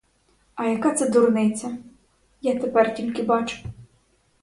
А яка це дурниця — я тепер тільки бачу.